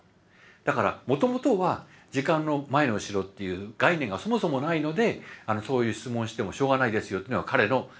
だからもともとは時間の前後ろっていう概念がそもそもないのでそういう質問をしてもしょうがないですよってのが彼の説です。